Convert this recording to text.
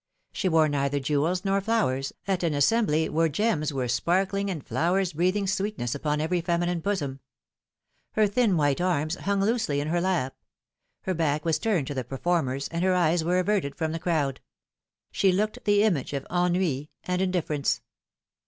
She wore neither jewels nor flowers, at an assembly where gems were sparkling and flowers breathing sweetness upon every feminine bosom. Her thin white arms hung loosely in her lap ; ber back was turned to the performers, and her eyes were averted from the crowd. She looked the image of ennui and indifference.